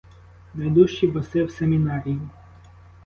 Найдужчі баси в семінарії.